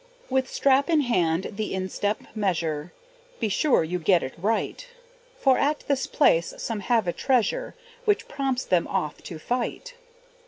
With strap in hand the instep measure Be sure you get it right; For at this place some have a treasure, Which prompts them oft to fight.